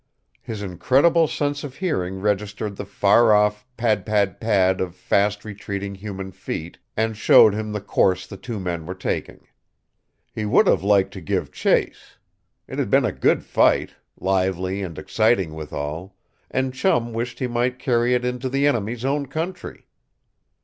His incredible sense of hearing registered the far off pad pad pad of fast retreating human feet, and showed him the course the two men were taking. He would have liked to give chase. It had been a good fight lively and exciting withal and Chum wished he might carry it into the enemies' own country.